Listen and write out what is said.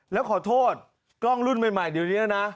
แล้วขอโทษกล้องรุ่นใหม่เดี๋ยวนี้นะ